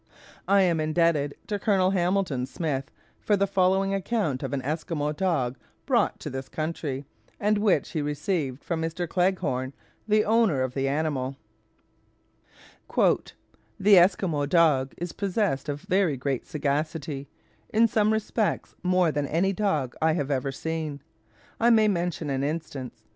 I am indebted to Colonel Hamilton Smith for the following account of an Esquimaux dog brought to this country, and which he received from Mr. Cleghorn, the owner of the animal: "The Esquimaux dog is possessed of very great sagacity in some respects, more than any dog I have ever seen. I may mention an instance.